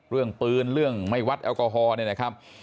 เรื่องปืนเรื่องไม่วัดแอลกอฮอล์เนี่ยนะครับ